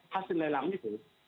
hasil lelang itu